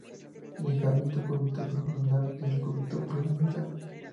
El ligamento cúbito-semilunar y el cúbito-piramidal.